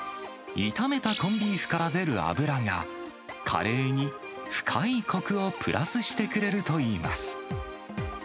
炒めたコンビーフから出る脂が、カレーに深いこくをプラスしてくれるといいます。